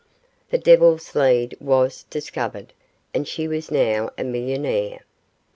The Devil's Lead was discovered, and she was now a millionaire.